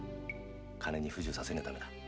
金に不自由させねえためだ。